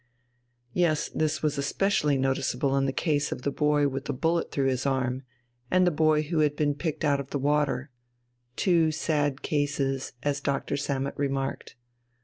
Yes, this was especially noticeable in the case of the boy with the bullet through his arm and the boy who had been picked out of the water two sad cases, as Dr. Sammet remarked.